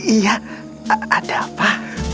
iya ada apa